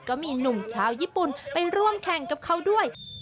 ก็มีหนุ่มชาวญี่ปุ่นไปร่วมแข่งกับเขาด้วย